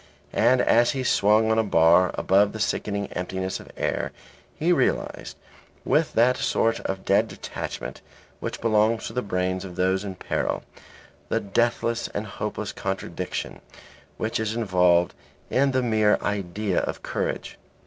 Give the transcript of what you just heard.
And as he swung on a bar above the sickening emptiness of air, he realized, with that sort of dead detachment which belongs to the brains of those in peril, the deathless and hopeless contradiction which is involved in the mere idea of courage.